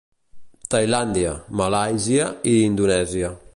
Tailàndia, Malàisia i Indonèsia.